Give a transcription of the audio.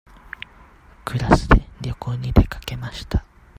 クラスで旅行に出かけました。